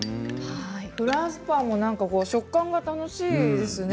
フランスパンも食感が楽しいですね。